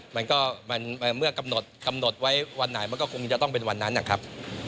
มันก็เมื่อกำหนดกำหนดไว้วันไหนมันก็คงจะต้องเป็นวันนั้นนะครับ